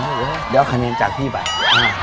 เดี๋ยวคะแนนจากพี่ไป